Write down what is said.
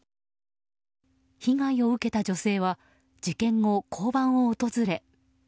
被害を受けた女性は事件後、交番を訪れ。